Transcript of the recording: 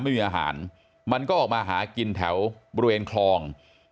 ไม่มีอาหารมันก็ออกมาหากินแถวบริเวณคลอง